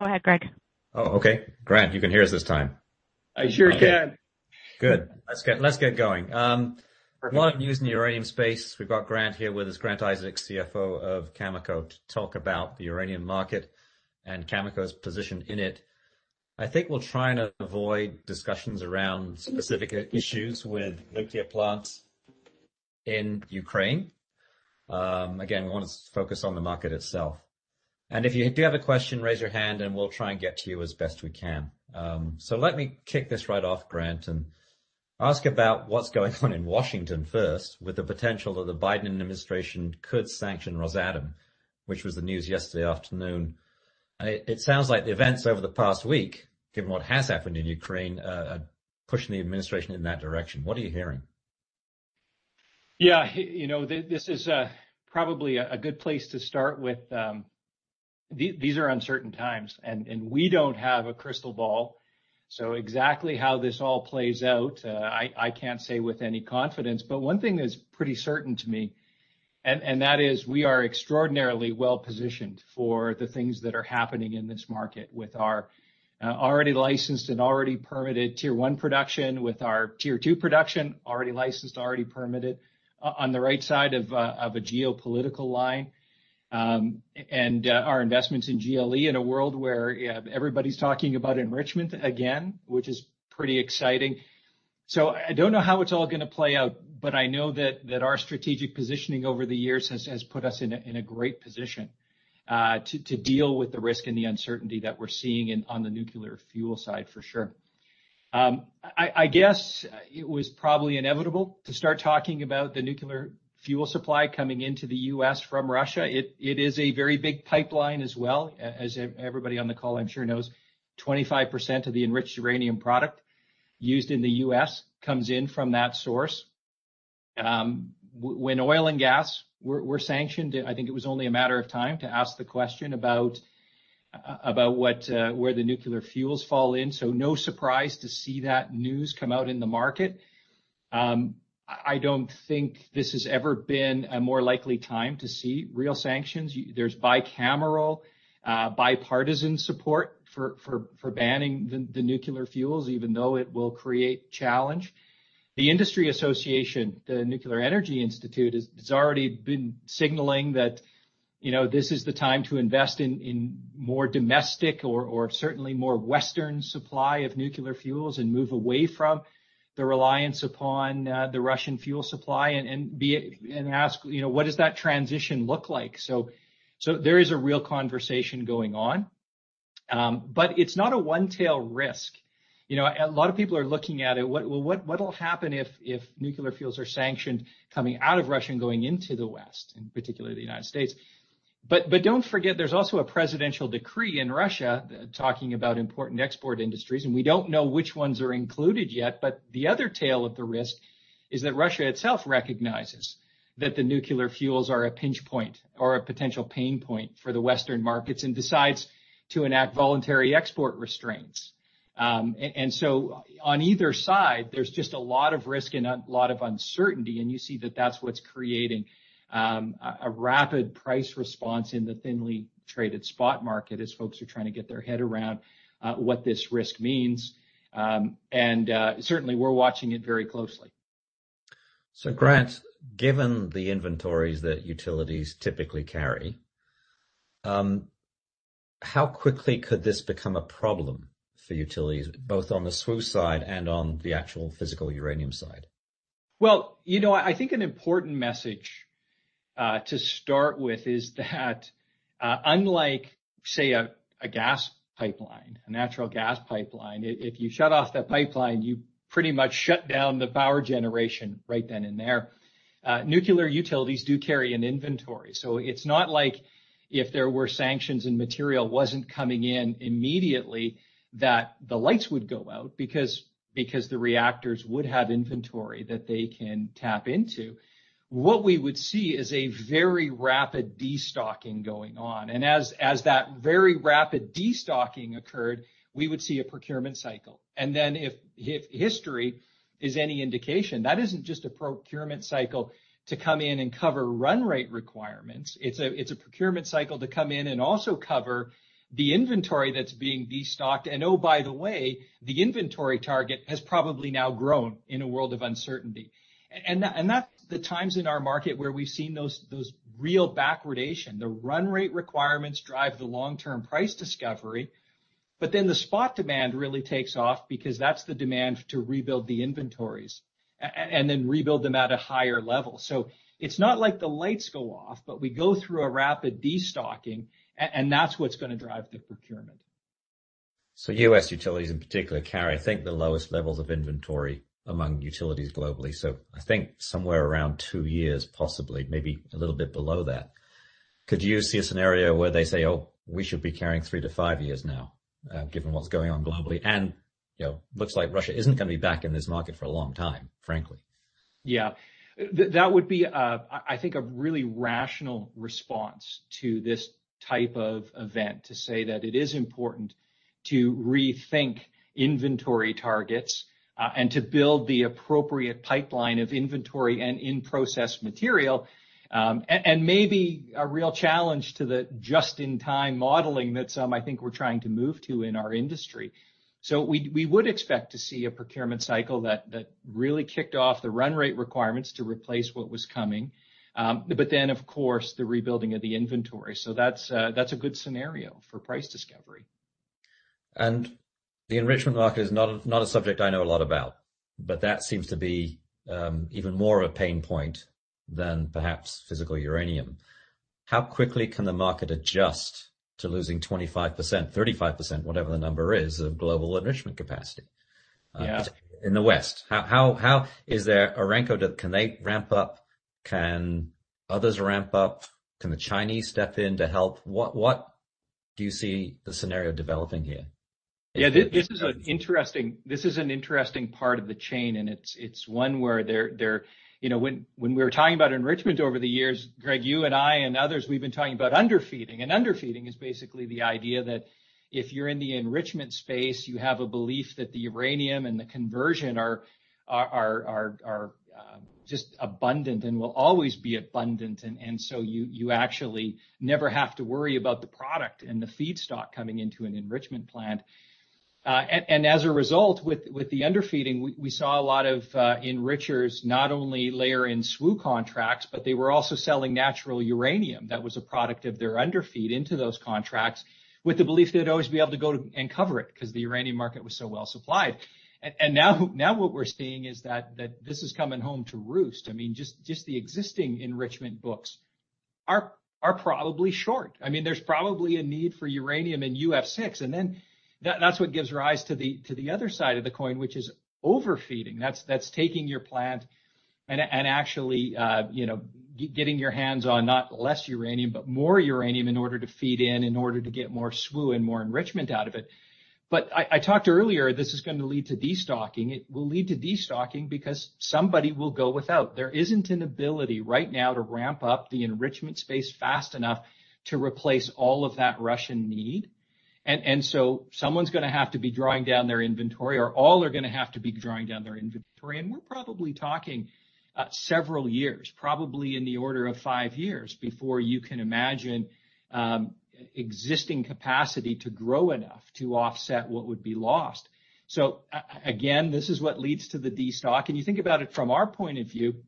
Go ahead, Greg. Oh, okay. Grant, you can hear us this time. I sure can. Good. Let's get going. A lot of news in the uranium space. We've got Grant here with us, Grant Isaac, CFO of Cameco, to talk about the uranium market and Cameco's position in it. I think we'll try, and avoid discussions around specific issues with nuclear plants in Ukraine. Again, we wanna focus on the market itself. If you do have a question, raise your hand, and we'll try and get to you as best we can. So let me kick this right off, Grant, and ask about what's going on in Washington first, with the potential that the Biden administration could sanction Rosatom, which was the news yesterday afternoon. It sounds like the events over the past week, given what has happened in Ukraine, are pushing the administration in that direction. What are you hearing? Yeah. You know, this is probably a good place to start with, these are uncertain times, and we don't have a crystal ball, so exactly how this all plays out, I can't say with any confidence. One thing that's pretty certain to me, and that is we are extraordinarily well-positioned for the things that are happening in this market with our already licensed and already permitted tier one production, with our tier two production already licensed, already permitted on the right side of a geopolitical line, and our investments in GLE in a world where everybody's talking about enrichment again, which is pretty exciting. I don't know how it's all gonna play out, but I know that our strategic positioning over the years has put us in a great position to deal with the risk and the uncertainty that we're seeing in on the nuclear fuel side, for sure. I guess it was probably inevitable to start talking about the nuclear fuel supply coming into the U.S. from Russia. It is a very big pipeline as well as everybody on the call, I'm sure knows, 25% of the enriched uranium product used in the U.S. comes in from that source. When oil and gas were sanctioned, I think it was only a matter of time to ask the question about where the nuclear fuels fall in, so no surprise to see that news come out in the market. I don't think this has ever been a more likely time to see real sanctions. There's bicameral bipartisan support for banning the nuclear fuels, even though it will create challenge. The industry association, the Nuclear Energy Institute, has already been signaling that, you know, this is the time to invest in more domestic or certainly more Western supply of nuclear fuels and move away from the reliance upon the Russian fuel supply and ask, you know, what does that transition look like? There is a real conversation going on. It's not a one-tail risk. You know, a lot of people are looking at it, what will happen if nuclear fuels are sanctioned coming out of Russia and going into the West, in particular the United States. Don't forget, there's also a presidential decree in Russia talking about important export industries, and we don't know which ones are included yet. The other tail of the risk is that Russia itself recognizes that the nuclear fuels are a pinch point or a potential pain point for the Western markets and decides to enact voluntary export restraints. On either side, there's just a lot of risk and a lot of uncertainty, and you see that that's what's creating a rapid price response in the thinly traded spot market as folks are trying to get their head around what this risk means. Certainly, we're watching it very closely. Grant, given the inventories that utilities typically carry, how quickly could this become a problem for utilities, both on the SWU side and on the actual physical uranium side? Well, you know, I think an important message to start with is that unlike, say, a gas pipeline, a natural gas pipeline, if you shut off that pipeline, you pretty much shut down the power generation right then and there. Nuclear utilities do carry an inventory, so it's not like if there were sanctions and material wasn't coming in immediately, that the lights would go out because the reactors would have inventory that they can tap into. What we would see is a very rapid destocking going on. As that very rapid destocking occurred, we would see a procurement cycle. If history is any indication, that isn't just a procurement cycle to come in and cover run rate requirements. It's a procurement cycle to come in and also cover the inventory that's being destocked. Oh, by the way, the inventory target has probably now grown in a world of uncertainty. That's the times in our market where we've seen those real backwardation, the run rate requirements drive the long-term price discovery. The spot demand really takes off because that's the demand to rebuild the inventories and then rebuild them at a higher level. It's not like the lights go off, but we go through a rapid destocking and that's what's gonna drive the procurement. U.S. utilities in particular carry, I think, the lowest levels of inventory among utilities globally. I think somewhere around two years, possibly, maybe a little bit below that. Could you see a scenario where they say, "Oh, we should be carrying two-three years now, given what's going on globally?" You know, looks like Russia isn't gonna be back in this market for a long time, frankly. Yeah. That would be, I think, a really rational response to this type of event, to say that it is important to rethink inventory targets, and to build the appropriate pipeline of inventory and in-process material, and maybe a real challenge to the just-in-time modeling that some, I think, we're trying to move to in our industry. We would expect to see a procurement cycle that really kicked off the run rate requirements to replace what was coming, but then, of course, the rebuilding of the inventory. That's a good scenario for price discovery. The enrichment market is not a subject I know a lot about, but that seems to be even more a pain point than perhaps physical uranium. How quickly can the market adjust to losing 25%, 35%, whatever the number is, of global enrichment capacity? Yeah. In the West. How is there a [rankel] that, can it ramp up? Can others ramp up? Can the Chinese step in to help? What do you see the scenario developing here? Yeah, this is an interesting part of the chain, and it's one where there you know, when we were talking about enrichment over the years, Greg, you and I and others, we've been talking about underfeeding. Underfeeding is basically the idea that if you're in the enrichment space, you have a belief that the uranium and the conversion are just abundant and will always be abundant. So you actually never have to worry about the product and the feedstock coming into an enrichment plant. As a result, with the underfeeding, we saw a lot of enrichers not only layer in SWU contracts, but they were also selling natural uranium that was a product of their underfeed into those contracts with the belief they'd always be able to go and cover it 'cause the uranium market was so well supplied. Now what we're seeing is that this is coming home to roost. I mean, just the existing enrichment books are probably short. I mean, there's probably a need for uranium in UF6, and then that's what gives rise to the other side of the coin, which is overfeeding. That's taking your plant and actually, you know, getting your hands on not less uranium, but more uranium in order to feed in order to get more SWU and more enrichment out of it. I talked earlier; this is gonna lead to destocking. It will lead to destocking because somebody will go without. There isn't an ability right now to ramp up the enrichment space fast enough to replace all of that Russian need. So someone's gonna have to be drawing down their inventory, or all are gonna have to be drawing down their inventory. We're probably talking several years, probably in the order of five years, before you can imagine existing capacity to grow enough to offset what would be lost. Again, this is what leads to the destocking. You think about it from our point of view,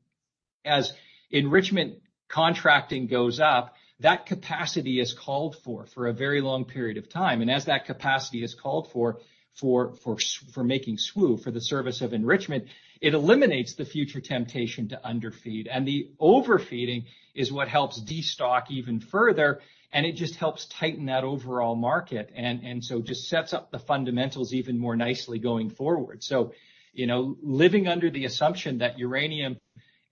as enrichment contracting goes up, that capacity is called for a very long period of time. As that capacity is called for making SWU, for the service of enrichment, it eliminates the future temptation to underfeed. The overfeeding is what helps destock even further, and it just helps tighten that overall market, and so just sets up the fundamentals even more nicely going forward. You know, living under the assumption that uranium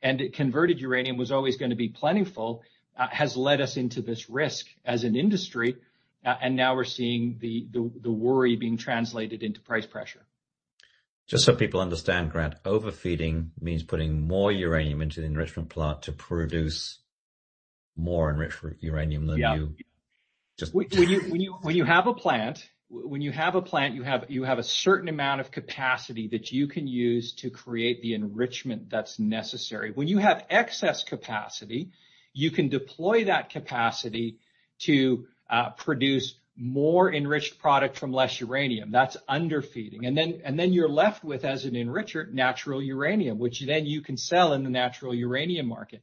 and converted uranium was always gonna be plentiful has led us into this risk as an industry. Now we're seeing the worry being translated into price pressure. Just so people understand, Grant, overfeeding means putting more uranium into the enrichment plant to produce more enriched uranium than you- Yeah. Just-- When you have a plant, you have a certain amount of capacity that you can use to create the enrichment that's necessary. When you have excess capacity, you can deploy that capacity to produce more enriched product from less uranium. That's underfeeding. You're left with, as an enricher, natural uranium, which then you can sell in the natural uranium market.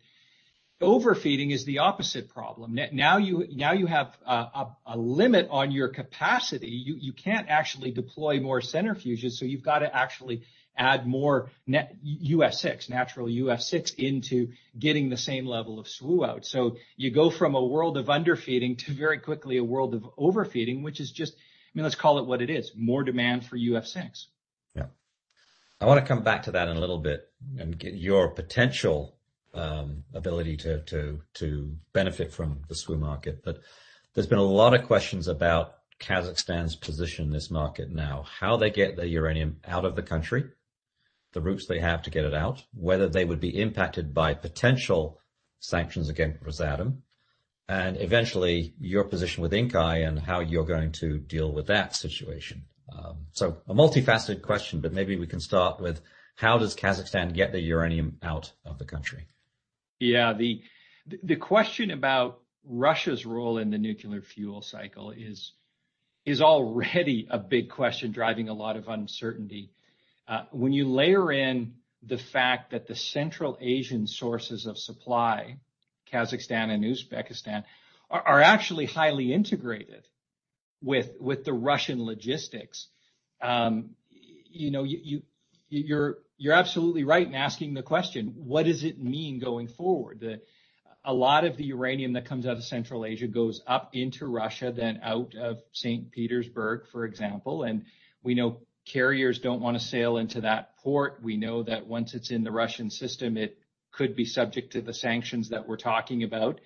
Overfeeding is the opposite problem. Now you have a limit on your capacity. You can't actually deploy more centrifuges, so you've got to actually add more natural UF6 into getting the same level of SWU out. You go from a world of underfeeding to very quickly a world of overfeeding, which is just, I mean, let's call it what it is, more demand for UF6. Yeah. I wanna come back to that in a little bit and get your potential ability to benefit from the SWU market. There's been a lot of questions about Kazakhstan's position in this market now. How they get the uranium out of the country, the routes they have to get it out, whether they would be impacted by potential sanctions against Rosatom, and eventually, your position with Inkai and how you're going to deal with that situation. A multifaceted question, but maybe we can start with how does Kazakhstan get the uranium out of the country? Yeah. The question about Russia's role in the nuclear fuel cycle is already a big question driving a lot of uncertainty. When you layer in the fact that the Central Asian sources of supply, Kazakhstan and Uzbekistan, are actually highly integrated with the Russian logistics, you know, you're absolutely right in asking the question, what does it mean going forward? A lot of the uranium that comes out of Central Asia goes up into Russia, then out of St. Petersburg, for example, and we know carriers don't wanna sail into that port. We know that once it's in the Russian system, it could be subject to the sanctions that we're talking about.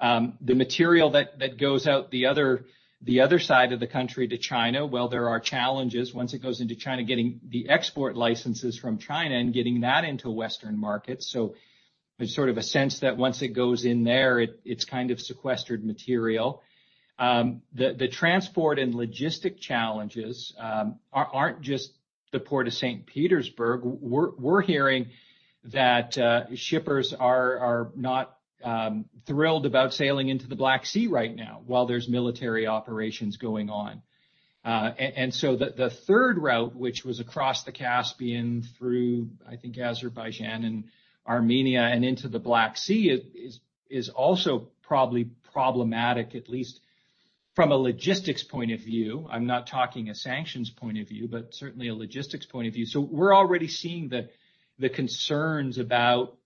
The material that goes out the other side of the country to China, well, there are challenges. Once it goes into China, getting the export licenses from China and getting that into Western markets. There's sort of a sense that once it goes in there, it's kind of sequestered material. The transport and logistics challenges aren't just the Port of St. Petersburg. We're hearing that shippers are not thrilled about sailing into the Black Sea right now while there's military operations going on. The third route, which was across the Caspian through, I think, Azerbaijan and Georgia and into the Black Sea is also probably problematic, at least from a logistics point of view. I'm not talking from a sanctions point of view, but certainly from a logistics point of view. We're already seeing the concerns about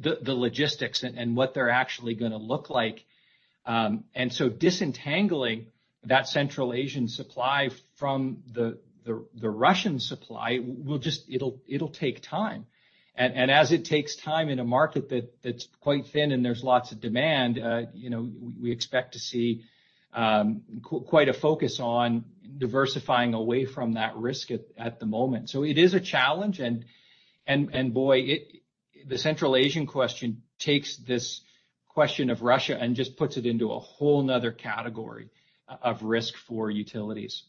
the logistics and what they're actually gonna look like. Disentangling that Central Asian supply from the Russian supply it'll take time. Boy, the Central Asian question takes this question of Russia and just puts it into a whole another category of risk for utilities.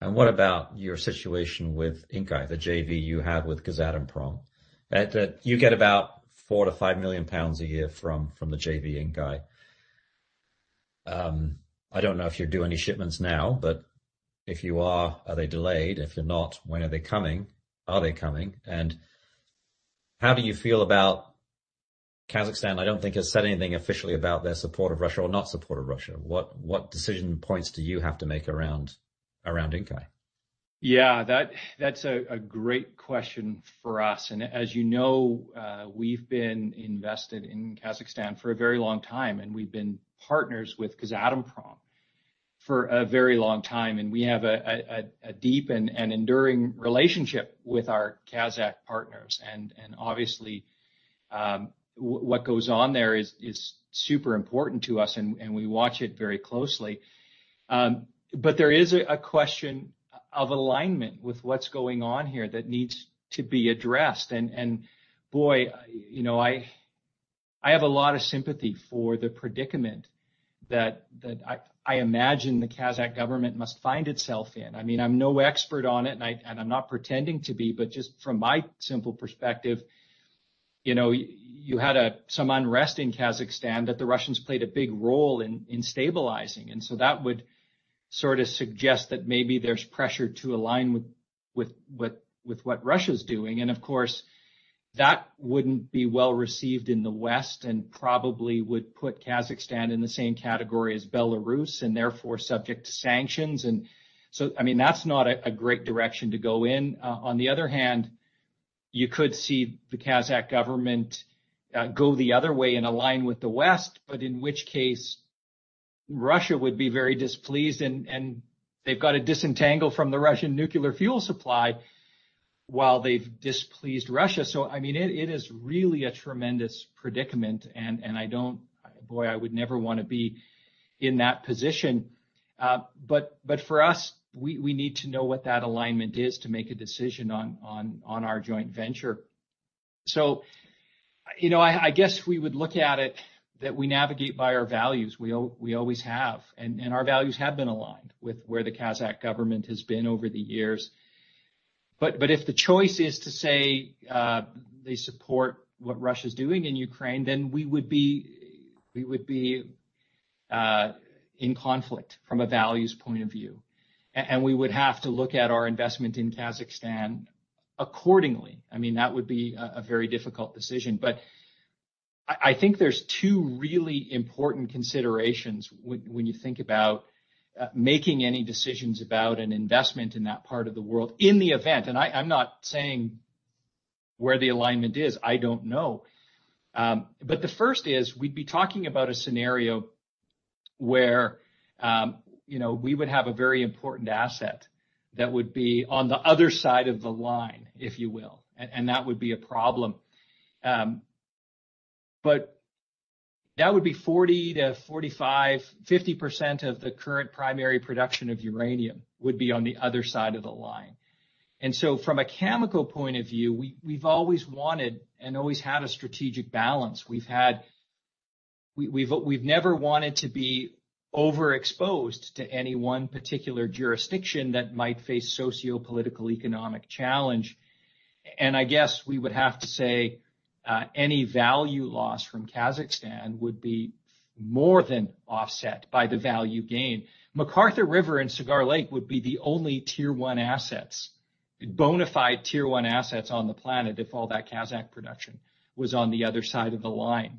What about your situation with Inkai, the JV you have with Kazatomprom? You get about 4-5 million pounds a year from the JV Inkai. I don't know if you're doing any shipments now, but if you are they delayed? If you're not, when are they coming? Are they coming? How do you feel about Kazakhstan? I don't think Kazakhstan has said anything officially about their support of Russia or not support of Russia. What decision points do you have to make around Inkai? Yeah, that's a great question for us. As you know, we've been invested in Kazakhstan for a very long time, and we've been partners with Kazatomprom for a very long time, and we have a deep and enduring relationship with our Kazakh partners. Obviously, what goes on there is super important to us, and we watch it very closely. There is a question of alignment with what's going on here that needs to be addressed. Boy, you know, I have a lot of sympathy for the predicament that I imagine the Kazakh government must find itself in. I mean, I'm no expert on it, and I'm not pretending to be, but just from my simple perspective, you know, you had some unrest in Kazakhstan that the Russians played a big role in stabilizing. That would sorta suggest that maybe there's pressure to align with what Russia's doing. Of course, that wouldn't be well-received in the West and probably would put Kazakhstan in the same category as Belarus and therefore subject to sanctions. I mean, that's not a great direction to go in. On the other hand, you could see the Kazakh government go the other way and align with the West, but in which case, Russia would be very displeased and they've got to disentangle from the Russian nuclear fuel supply while they've displeased Russia. I mean, it is really a tremendous predicament, and boy, I would never wanna be in that position. But for us, we need to know what that alignment is to make a decision on our joint venture. You know, I guess we would look at it that we navigate by our values. We always have. Our values have been aligned with where the Kazakh government has been over the years. But if the choice is to say, they support what Russia's doing in Ukraine, then we would be in conflict from a values point of view, and we would have to look at our investment in Kazakhstan accordingly. I mean, that would be a very difficult decision. I think there's two really important considerations when you think about making any decisions about an investment in that part of the world in the event. I'm not saying where the alignment is. I don't know. The first is, we'd be talking about a scenario where you know, we would have a very important asset that would be on the other side of the line, if you will, and that would be a problem. That would be 40%-50% of the current primary production of uranium would be on the other side of the line. From a chemical point of view, we've always wanted and always had a strategic balance. We've never wanted to be overexposed to any one particular jurisdiction that might face sociopolitical, economic challenge. I guess we would have to say any value loss from Kazakhstan would be more than offset by the value gain. McArthur River and Cigar Lake would be the only tier one assets, bona fide tier one assets on the planet if all that Kazakh production was on the other side of the line.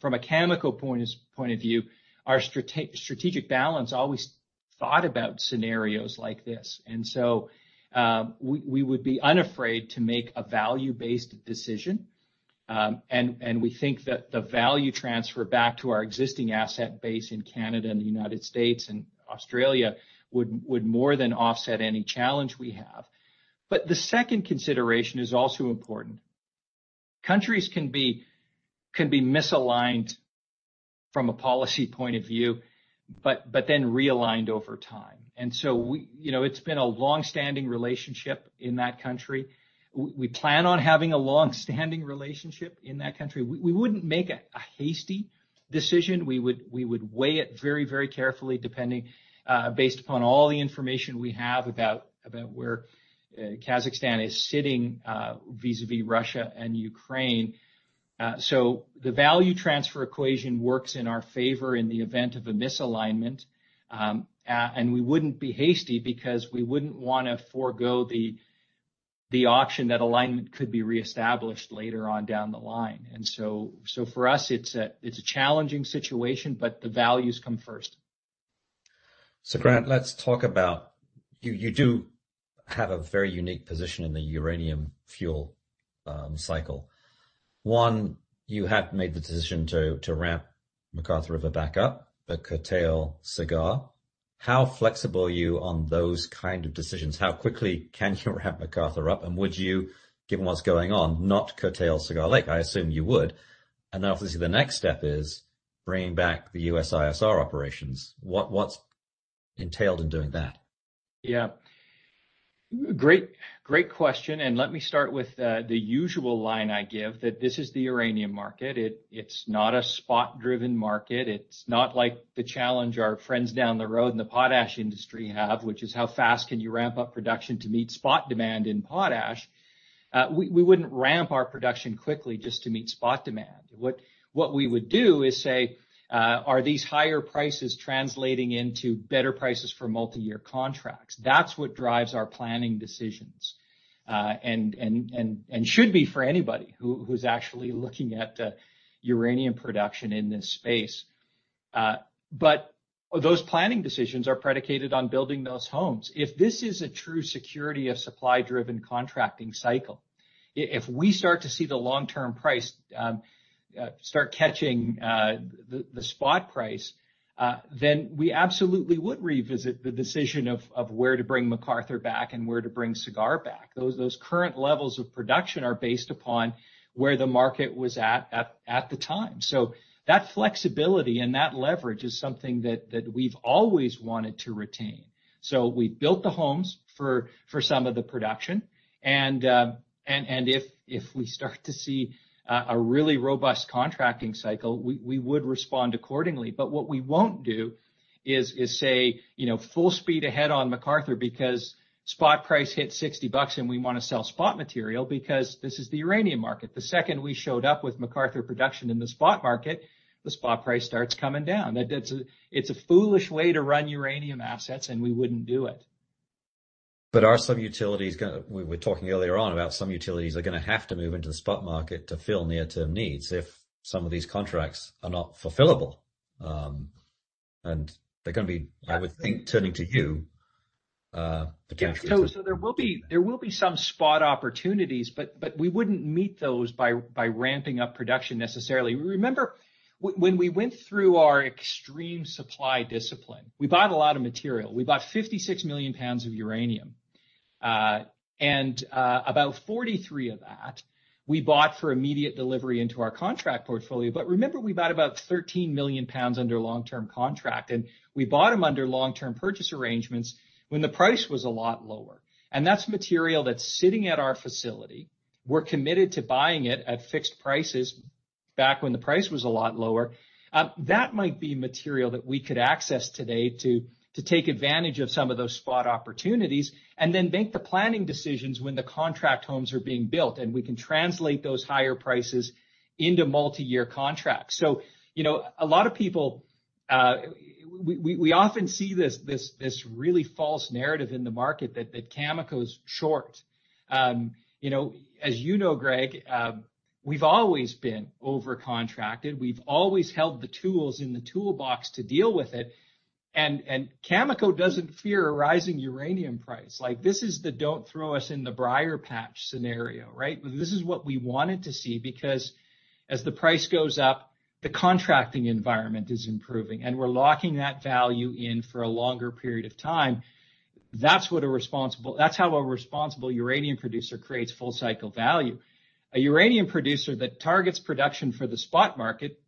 From a chemical point of view, our strategic balance always thought about scenarios like this. We would be unafraid to make a value-based decision. We think that the value transfer back to our existing asset base in Canada, and the United States and Australia would more than offset any challenge we have. The second consideration is also important. Countries can be misaligned from a policy point of view, but then realigned over time. You know, it's been a long-standing relationship in that country. We plan on having a long-standing relationship in that country. We wouldn't make a hasty decision. We would weigh it very carefully based upon all the information we have about where Kazakhstan is sitting vis-à-vis Russia and Ukraine. The value transfer equation works in our favor in the event of a misalignment, and we wouldn't be hasty because we wouldn't wanna forgo the option that alignment could be reestablished later on down the line. For us, it's a challenging situation, but the values come first. Grant, let's talk about you. You do have a very unique position in the uranium fuel cycle. One, you have made the decision to ramp McArthur River back up, but curtail Cigar. How flexible are you on those kind of decisions? How quickly can you ramp McArthur up? Would you, given what's going on, not curtail Cigar Lake? I assume you would. Obviously the next step is bringing back the U.S. ISR operations. What's entailed in doing that? Yeah. Great question, and let me start with the usual line I give that this is the uranium market. It's not a spot-driven market. It's not like the challenge our friends down the road in the potash industry have, which is how fast can you ramp up production to meet spot demand in potash. We wouldn't ramp our production quickly just to meet spot demand. What we would do is say, are these higher prices translating into better prices for multi-year contracts? That's what drives our planning decisions, and should be for anybody who's actually looking at uranium production in this space. Those planning decisions are predicated on building those homes. If this is a true security of supply-driven contracting cycle, if we start to see the long-term price start catching the spot price, then we absolutely would revisit the decision of where to bring McArthur back and where to bring Cigar back. Those current levels of production are based upon where the market was at the time. That flexibility and that leverage is something that we've always wanted to retain. We've built the homes for some of the production, and if we start to see a really robust contracting cycle, we would respond accordingly. What we won't do is say, you know, full speed ahead on McArthur because spot price hit $60, and we wanna sell spot material because this is the uranium market. The second we showed up with McArthur production in the spot market, the spot price starts coming down. That's a foolish way to run uranium assets, and we wouldn't do it. We were talking earlier on about some utilities are gonna have to move into the spot market to fill near-term needs if some of these contracts are not fulfillable, and they're gonna be, I would think, turning to you potentially. There will be some spot opportunities, but we wouldn't meet those by ramping up production necessarily. Remember when we went through our extreme supply discipline, we bought a lot of material. We bought 56 million pounds of uranium, about 43 of that we bought for immediate delivery into our contract portfolio. But remember, we bought about 13 million pounds under long-term contract, and we bought them under long-term purchase arrangements when the price was a lot lower. That's material that's sitting at our facility. We're committed to buying it at fixed prices back when the price was a lot lower. That might be material that we could access today to take advantage of some of those spot opportunities and then make the planning decisions when the contract volumes are being built, and we can translate those higher prices into multi-year contracts. You know, a lot of people, we often see this really false narrative in the market that Cameco is short. You know, as you know, Greg, we've always been over-contracted. We've always held the tools in the toolbox to deal with it. Cameco doesn't fear a rising uranium price. Like, this is the "don't throw us in the briar patch" scenario, right? This is what we wanted to see because as the price goes up, the contracting environment is improving, and we're locking that value in for a longer period of time. That's how a responsible uranium producer creates full-cycle value. A uranium producer that targets production for the spot market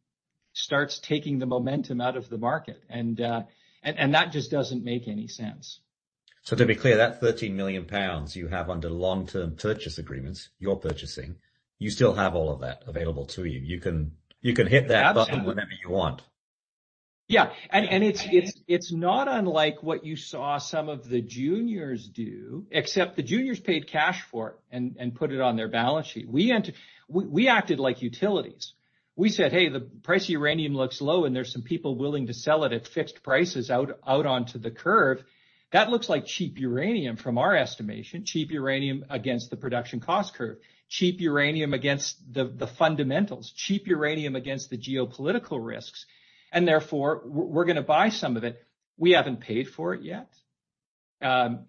starts taking the momentum out of the market, and that just doesn't make any sense. To be clear, that 13 million pounds you have under long-term purchase agreements, you're purchasing, you still have all of that available to you. You can hit that button whenever you want. Yeah. It's not unlike what you saw some of the juniors do, except the juniors paid cash for it and put it on their balance sheet. We acted like utilities. We said, "Hey, the price of uranium looks low, and there's some people willing to sell it at fixed prices out onto the curve. That looks like cheap uranium from our estimation, cheap uranium against the production cost curve, cheap uranium against the fundamentals, cheap uranium against the geopolitical risks, and therefore, we're gonna buy some of it." We haven't paid for it yet.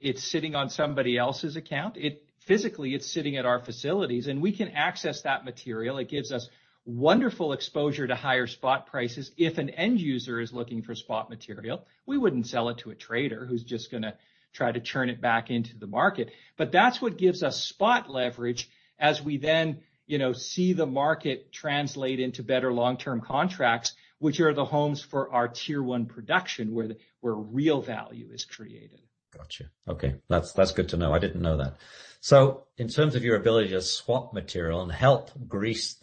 It's sitting on somebody else's account. Physically, it's sitting at our facilities, and we can access that material. It gives us wonderful exposure to higher spot prices if an end user is looking for spot material. We wouldn't sell it to a trader who's just gonna try to churn it back into the market. That's what gives us spot leverage as we then, you know, see the market translate into better long-term contracts, which are the homes for our tier one production, where real value is created. Got you. Okay. That's good to know. I didn't know that. So in terms of your ability to swap material and help grease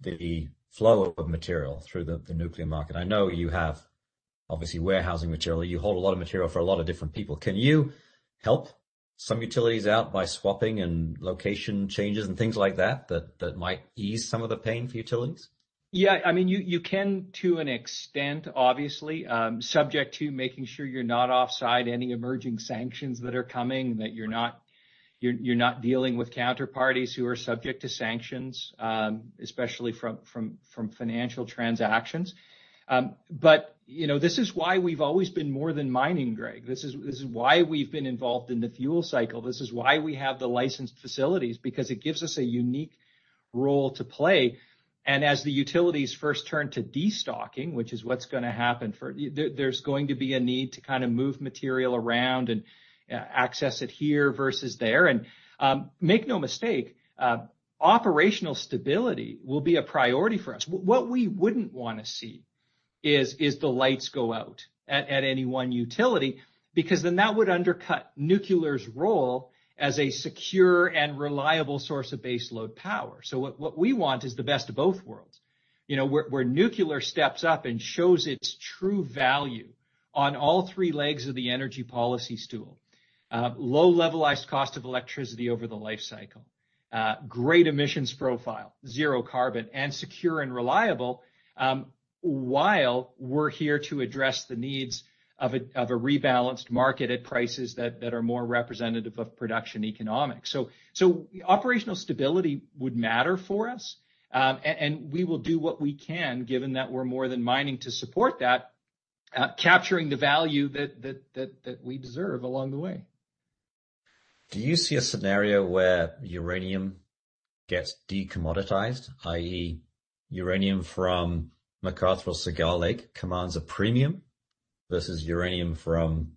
the flow of material through the nuclear market, I know you have obviously warehousing material. You hold a lot of material for a lot of different people. Can you help some utilities out by swapping and location changes and things like that that might ease some of the pain for utilities? Yeah. I mean, you can to an extent, obviously, subject to making sure you're not offside any emerging sanctions that are coming, that you're not dealing with counterparties who are subject to sanctions, especially from financial transactions. You know, this is why we've always been more than mining, Greg. This is why we've been involved in the fuel cycle. This is why we have the licensed facilities because it gives us a unique role to play. As the utilities first turn to destocking, which is what's gonna happen. There's going to be a need to kind of move material around and access it here versus there. Make no mistake, operational stability will be a priority for us. What we wouldn't wanna see is the lights go out at any one utility, because then that would undercut nuclear's role as a secure and reliable source of baseload power. What we want is the best of both worlds. You know, where nuclear steps up and shows its true value on all three legs of the energy policy stool. Low levelized cost of electricity over the life cycle, great emissions profile, zero carbon, and secure and reliable, while we're here to address the needs of a rebalanced market at prices that are more representative of production economics. Operational stability would matter for us, and we will do what we can, given that we're more than mining to support that, capturing the value that we deserve along the way. Do you see a scenario where uranium gets decommoditized, i.e., uranium from McArthur Cigar Lake commands a premium versus uranium from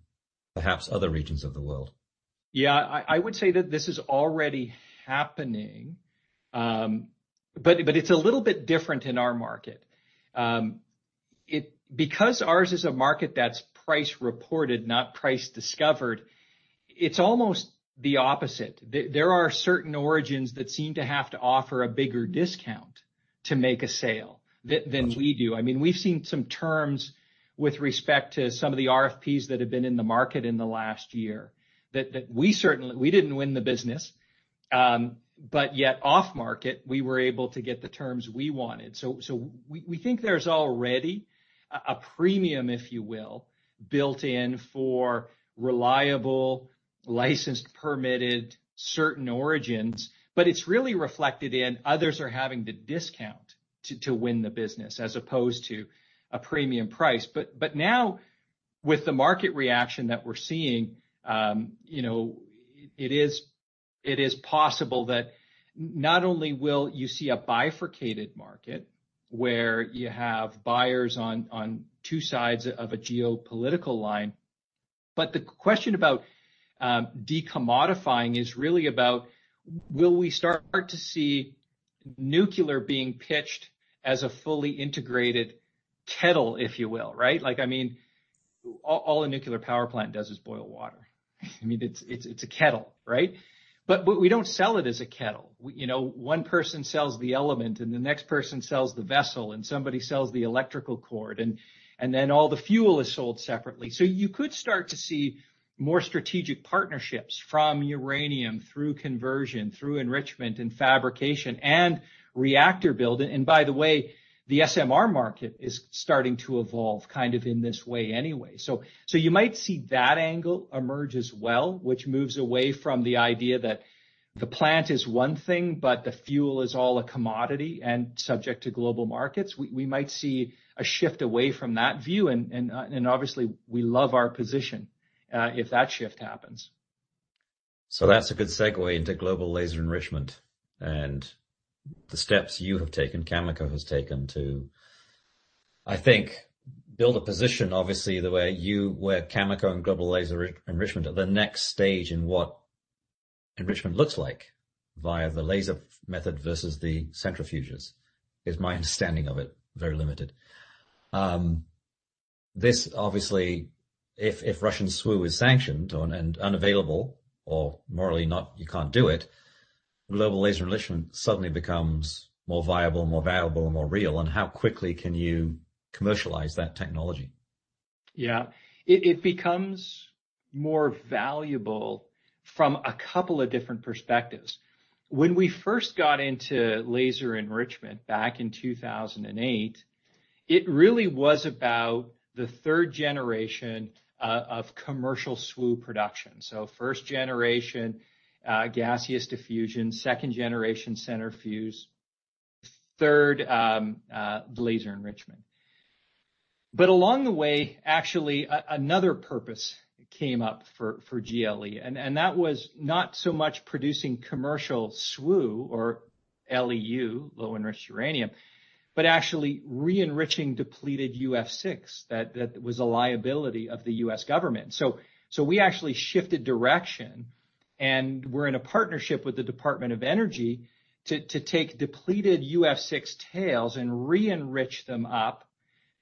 perhaps other regions of the world? Yeah. I would say that this is already happening. It's a little bit different in our market. Because ours is a market that's price reported, not price discovered, it's almost the opposite. There are certain origins that seem to have to offer a bigger discount to make a sale than we do. I mean, we've seen some terms with respect to some of the RFPs that have been in the market in the last year that we certainly didn't win the business, but yet off-market, we were able to get the terms we wanted. We think there's already a premium, if you will, built in for reliable, licensed, permitted certain origins, but it's really reflected in others are having to discount to win the business as opposed to a premium price. Now with the market reaction that we're seeing, you know, it is possible that not only will you see a bifurcated market where you have buyers on two sides of a geopolitical line, but the question about decommodifying is really about will we start to see nuclear being pitched as a fully integrated kettle, if you will, right? Like, I mean, all a nuclear power plant does is boil water. I mean, it's a kettle, right? We don't sell it as a kettle. You know, one person sells the element, and the next person sells the vessel, and somebody sells the electrical cord, and then all the fuel is sold separately. You could start to see more strategic partnerships from uranium through conversion, through enrichment, and fabrication and reactor building. By the way, the SMR market is starting to evolve kind of in this way anyway. You might see that angle emerge as well, which moves away from the idea that the plant is one thing, but the fuel is all a commodity and subject to global markets. We might see a shift away from that view and obviously, we love our position, if that shift happens. That's a good segue into Global Laser Enrichment and the steps you have taken, Cameco has taken to, I think, build a position, obviously, the way where Cameco and Global Laser Enrichment are the next stage in what enrichment looks like via the laser method versus the centrifuges, is my understanding of it, very limited. This obviously, if Russian SWU is sanctioned or and unavailable or morally you can't do it, Global Laser Enrichment suddenly becomes more viable, more valuable, more real, and how quickly can you commercialize that technology? Yeah. It becomes more valuable from a couple of different perspectives. When we first got into laser enrichment back in 2008, it really was about the 3rd generation of commercial SWU production. So 1st generation, gaseous diffusion, 2nd generation centrifuge, 3rd, the laser enrichment. But along the way, actually another purpose came up for GLE, and that was not so much producing commercial SWU or LEU, low-enriched uranium, but actually re-enriching depleted UF6 that was a liability of the U.S. government. So we actually shifted direction, and we're in a partnership with the Department of Energy to take depleted UF6 tails and re-enrich them up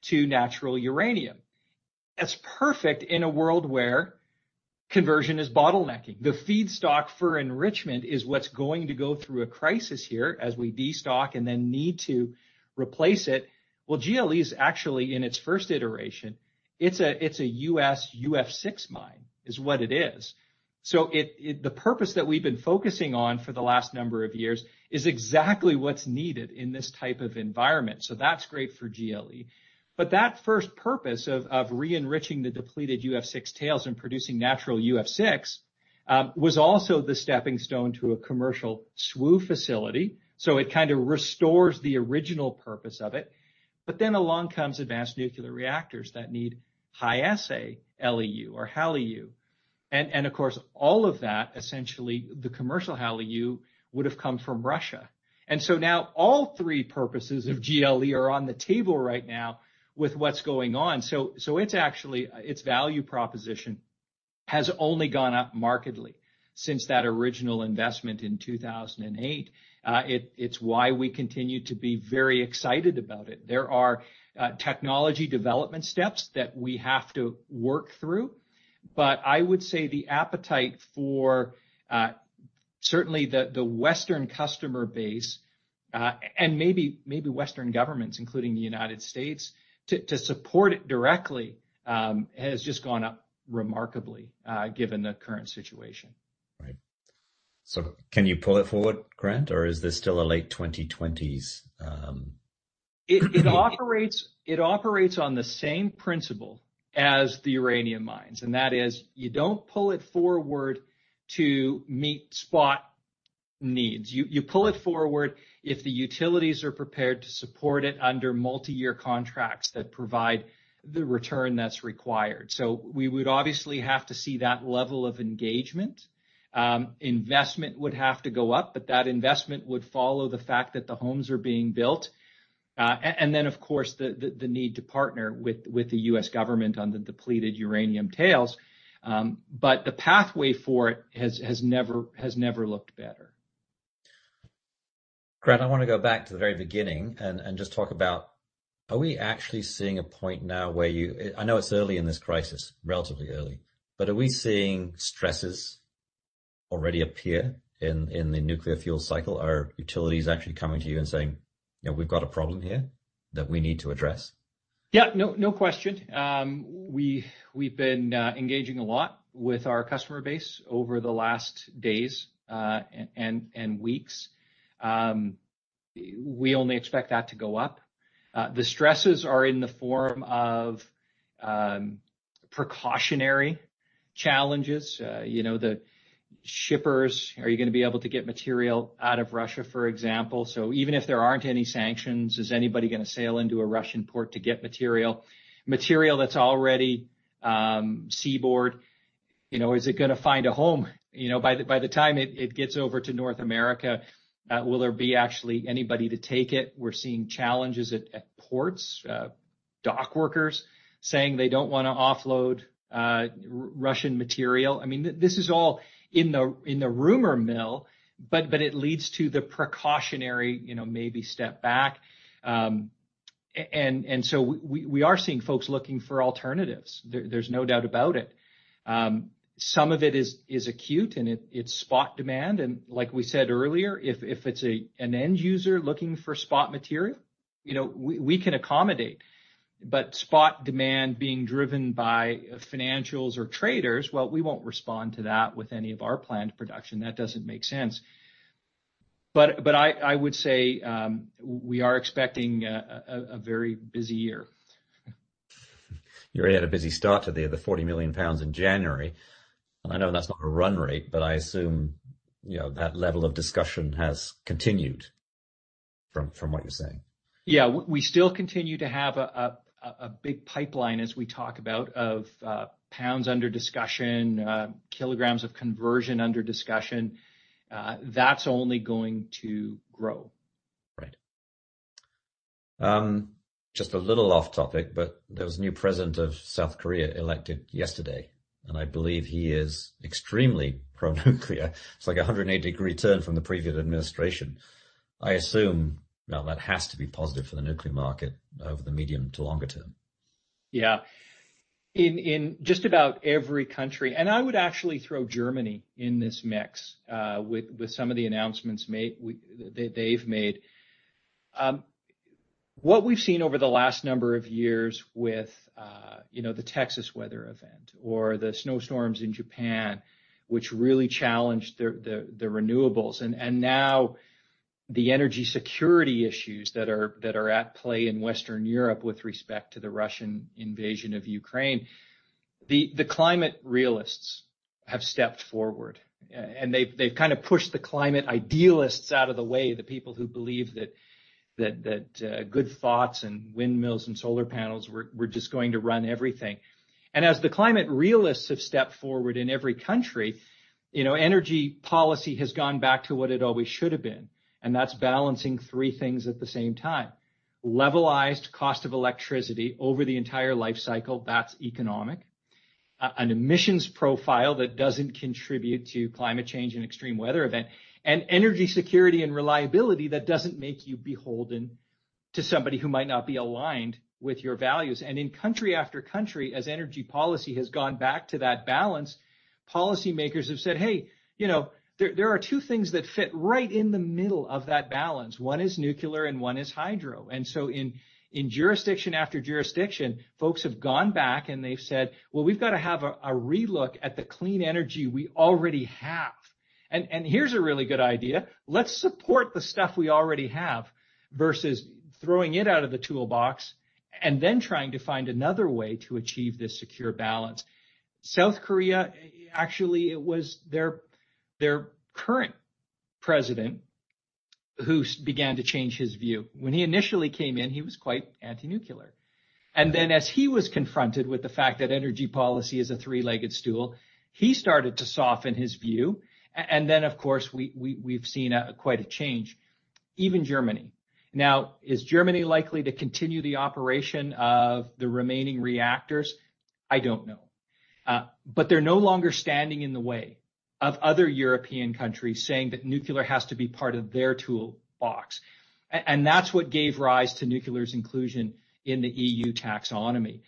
to natural uranium. That's perfect in a world where conversion is bottlenecking. The feedstock for enrichment is what's going to go through a crisis here as we destock and then need to replace it. Well, GLE is actually in its first iteration. It's a U.S. UF6 mine, is what it is. The purpose that we've been focusing on for the last number of years is exactly what's needed in this type of environment. That's great for GLE. That first purpose of re-enriching the depleted UF6 tails and producing natural UF6 was also the stepping stone to a commercial SWU facility. It kinda restores the original purpose of it. Along comes advanced nuclear reactors that need high-assay LEU or HALEU. Of course, all of that, essentially, the commercial HALEU would have come from Russia. Now all three purposes of GLE are on the table right now with what's going on. It's actually. Its value proposition has only gone up markedly since that original investment in 2008. It's why we continue to be very excited about it. There are technology development steps that we have to work through, but I would say the appetite for certainly the Western customer base and maybe Western governments, including the United States, to support it directly has just gone up remarkably given the current situation. Right. Can you pull it forward, Grant, or is this still a late 2020s? It operates on the same principle as the uranium mines, and that is you don't pull it forward to meet spot needs. You pull it forward if the utilities are prepared to support it under multi-year contracts that provide the return that's required. We would obviously have to see that level of engagement. Investment would have to go up, but that investment would follow the fact that the homes are being built, and then of course the need to partner with the U.S. government on the depleted uranium tails. The pathway for it has never looked better. Grant, I wanna go back to the very beginning and just talk about are we actually seeing a point now where you--I know it's early in this crisis, relatively early, but are we seeing stresses already appear in the nuclear fuel cycle? Are utilities actually coming to you and saying, "You know, we've got a problem here that we need to address? Yeah. No question. We've been engaging a lot with our customer base over the last days and weeks. We only expect that to go up. The stresses are in the form of precautionary challenges. You know, the shippers, are you gonna be able to get material out of Russia, for example? Even if there aren't any sanctions, is anybody gonna sail into a Russian port to get material? Material that's already seaborne, you know, is it gonna find a home? You know, by the time it gets over to North America, will there be actually anybody to take it? We're seeing challenges at ports. Dock workers saying they don't wanna offload Russian material. I mean, this is all in the rumor mill, but it leads to the precautionary, you know, maybe step back. We are seeing folks looking for alternatives. There's no doubt about it. Some of it is acute, and it's spot demand. Like we said earlier, if it's an end user looking for spot material, you know, we can accommodate. Spot demand being driven by financials or traders, well, we won't respond to that with any of our planned production. That doesn't make sense. I would say we are expecting a very busy year. You already had a busy start to the other 40 million pounds in January. I know that's not a run rate, but I assume, you know, that level of discussion has continued from what you're saying. Yeah. We still continue to have a big pipeline as we talk about of pounds under discussion, kilograms of conversion under discussion. That's only going to grow. Right. Just a little off-topic, but there was a new president of South Korea elected yesterday, and I believe he is extremely pro-nuclear. It's like a 180-degree turn from the previous administration. I assume now that has to be positive for the nuclear market over the medium to longer term. Yeah. In just about every country, and I would actually throw Germany in this mix, with some of the announcements they've made. What we've seen over the last number of years with, you know, the Texas weather event or the snowstorms in Japan, which really challenged the renewables, and now the energy security issues that are at play in Western Europe with respect to the Russian invasion of Ukraine, the climate realists have stepped forward. They've kinda pushed the climate idealists out of the way, the people who believe that good thoughts and windmills and solar panels were just going to run everything. As the climate realists have stepped forward in every country, you know, energy policy has gone back to what it always should have been, and that's balancing three things at the same time. Levelized cost of electricity over the entire life cycle, that's economic. An emissions profile that doesn't contribute to climate change and extreme weather event, and energy security and reliability that doesn't make you beholden to somebody who might not be aligned with your values. In country after country, as energy policy has gone back to that balance, policymakers have said, "Hey, you know, there are two things that fit right in the middle of that balance. One is nuclear, and one is hydro." In jurisdiction after jurisdiction, folks have gone back, and they've said, "Well, we've gotta have a relook at the clean energy we already have. Here's a really good idea, let's support the stuff we already have versus throwing it out of the toolbox and then trying to find another way to achieve this secure balance. South Korea, actually it was their current president who began to change his view. When he initially came in, he was quite anti-nuclear. As he was confronted with the fact that energy policy is a three-legged stool, he started to soften his view. Of course, we've seen quite a change, even Germany. Now, is Germany likely to continue the operation of the remaining reactors? I don't know. They're no longer standing in the way of other European countries saying that nuclear has to be part of their toolbox. That's what gave rise to nuclear's inclusion in the EU Taxonomy.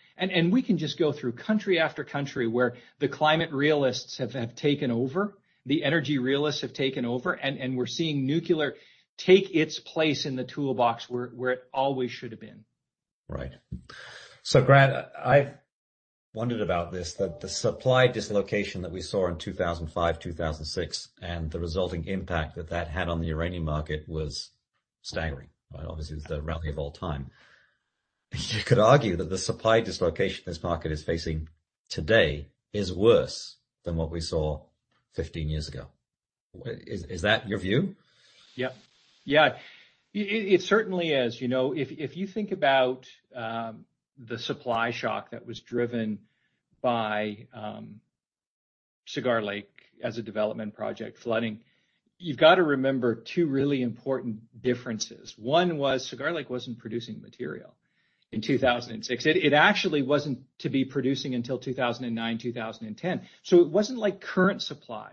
We can just go through country after country where the climate realists have taken over, the energy realists have taken over, and we're seeing nuclear take its place in the toolbox where it always should have been. Right. Grant, I wondered about this, that the supply dislocation that we saw in 2005, 2006, and the resulting impact that that had on the uranium market was staggering. Obviously, it's the rally of all time. You could argue that the supply dislocation this market is facing today is worse than what we saw 15 years ago. Is that your view? Yeah. It certainly is. You know, if you think about the supply shock that was driven by Cigar Lake as a development project flooding, you've got to remember two really important differences. One was Cigar Lake wasn't producing material in 2006. It actually wasn't to be producing until 2009, 2010. So it wasn't like current supply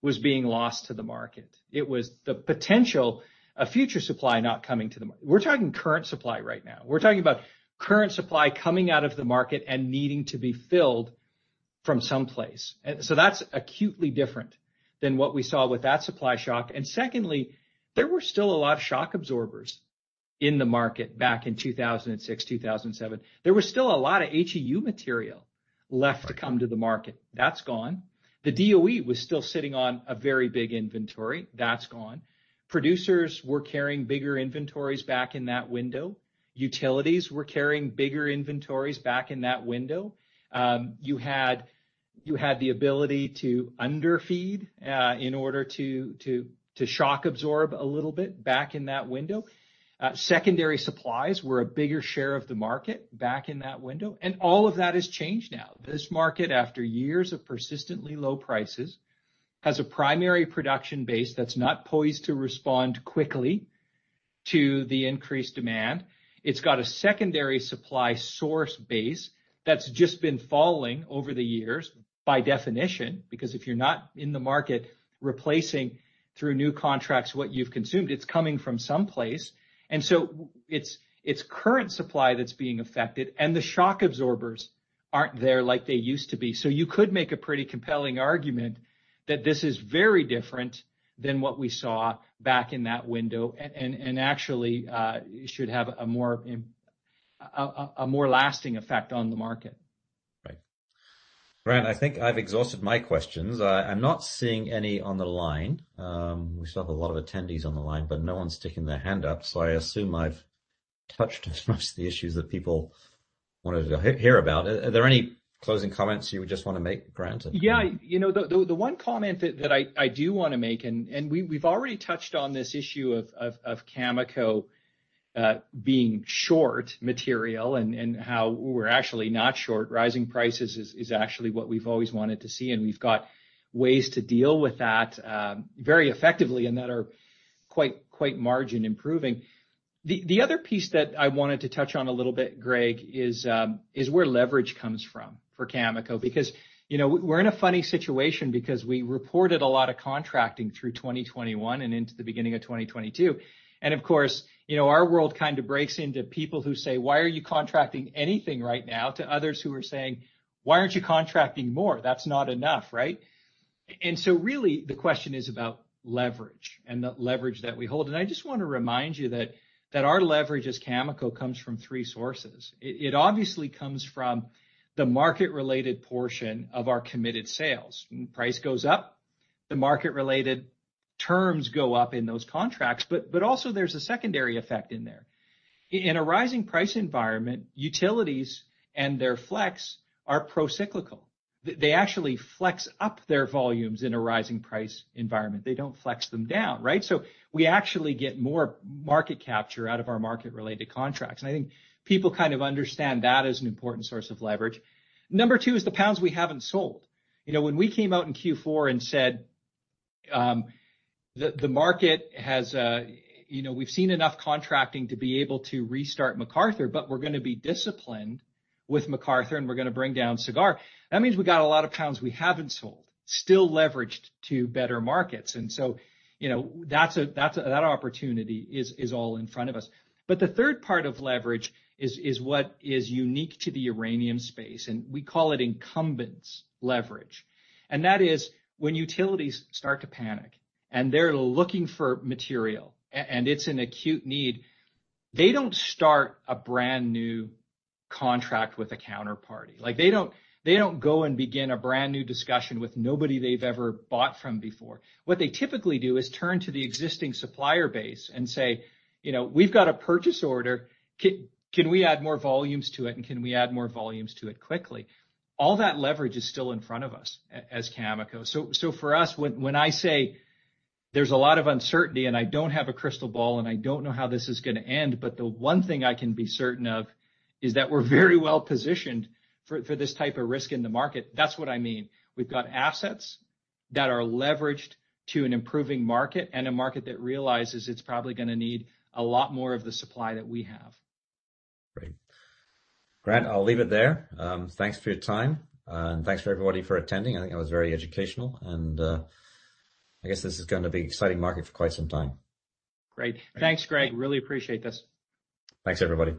was being lost to the market. It was the potential of future supply not coming to the market. We're talking current supply right now. We're talking about current supply coming out of the market and needing to be filled from some place. That's acutely different than what we saw with that supply shock. Secondly, there were still a lot of shock absorbers in the market back in 2006, 2007. There was still a lot of HEU material left to come to the market. That's gone. The DOE was still sitting on a very big inventory, that's gone. Producers were carrying bigger inventories back in that window. Utilities were carrying bigger inventories back in that window. You had the ability to underfeed in order to shock absorb a little bit back in that window. Secondary supplies were a bigger share of the market back in that window. All of that has changed now. This market, after years of persistently low prices, has a primary production base that's not poised to respond quickly to the increased demand. It's got a secondary supply source base that's just been falling over the years by definition, because if you're not in the market replacing through new contracts what you've consumed, it's coming from some place. It's current supply that's being affected, and the shock absorbers aren't there like they used to be. You could make a pretty compelling argument that this is very different than what we saw back in that window and actually should have a more lasting effect on the market. Right. Grant, I think I've exhausted my questions. I'm not seeing any on the line. We still have a lot of attendees on the line, but no one's sticking their hand up, so I assume I've touched most of the issues that people wanted to hear about. Are there any closing comments you would just wanna make, Grant? Yeah. You know, the one comment that I do wanna make, and we've already touched on this issue of Cameco being short material and how we're actually not short. Rising prices is actually what we've always wanted to see, and we've got ways to deal with that very effectively and that are quite margin-improving. The other piece that I wanted to touch on a little bit, Greg, is where leverage comes from for Cameco. Because, you know, we're in a funny situation because we reported a lot of contracting through 2021 and into the beginning of 2022. Of course, you know, our world kind of breaks into people who say, "Why are you contracting anything right now?" To others who are saying, "Why aren't you contracting more? That's not enough." Right? Really, the question is about leverage and the leverage that we hold. I just want to remind you that our leverage as Cameco comes from three sources. It obviously comes from the market-related portion of our committed sales. When price goes up, the market-related terms go up in those contracts. But also, there's a secondary effect in there. In a rising price environment, utilities and their flex are procyclical. They actually flex up their volumes in a rising price environment. They don't flex them down, right? We actually get more market capture out of our market-related contracts. I think people kind of understand that as an important source of leverage. Number two is the pounds we haven't sold. You know, when we came out in Q4 and said, "The market has, you know, we've seen enough contracting to be able to restart McArthur, but we're gonna be disciplined with McArthur and we're gonna bring down Cigar," that means we got a lot of pounds we haven't sold, still leveraged to better markets. You know, that's that opportunity is all in front of us. The third part of leverage is what is unique to the uranium space, and we call it incumbents leverage. That is when utilities start to panic and they're looking for material, and it's an acute need, they don't start a brand new contract with a counterparty. Like, they don't go and begin a brand new discussion with nobody they've ever bought from before. What they typically do is turn to the existing supplier base and say, you know, "We've got a purchase order. Can we add more volumes to it, and can we add more volumes to it quickly?" All that leverage is still in front of us as Cameco. For us, when I say there's a lot of uncertainty ,and I don't have a crystal ball and I don't know how this is gonna end, but the one thing I can be certain of is that we're very well positioned for this type of risk in the market. That's what I mean. We've got assets that are leveraged to an improving market and a market that realizes it's probably gonna need a lot more of the supply that we have. Great. Grant, I'll leave it there. Thanks for your time, and thanks for everybody for attending. I think it was very educational, and I guess this is gonna be an exciting market for quite some time. Great. Thanks, Greg. I really appreciate this. Thanks, everybody.